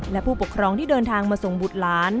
และผู้ปกครองที่เดินทางมาส่งบุตรหลาน